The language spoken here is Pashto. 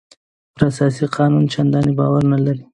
پر اساسي قانون چندانې باور نه لري.